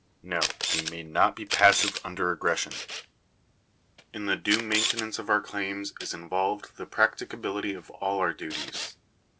No : we may not be passive under aggression. In the due maintenance of our claims is involved the practicability of all our duties.